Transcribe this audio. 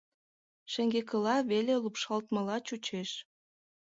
Шеҥгекыла веле лупшалтмыла чучеш.